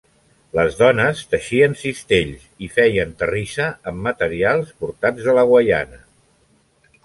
Les dones teixien cistells i feien terrissa amb materials portats de la Guaiana.